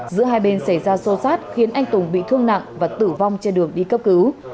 giữa hai bên xảy ra xô xát khiến anh tùng bị thương nặng và tử vong trên đường đi cấp cứu